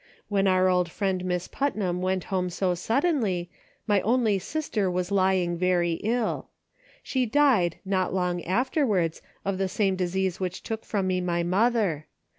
When our old friend Miss Putnam went home so suddenly, my only sister was lying very ill. She died not long afterwards of the same disease which took from me my mother.